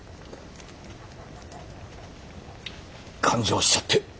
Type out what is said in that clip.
勘定しちゃって。